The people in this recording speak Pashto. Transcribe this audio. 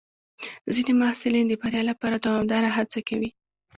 ځینې محصلین د بریا لپاره دوامداره هڅه کوي.